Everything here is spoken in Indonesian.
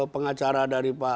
pengacara dari pak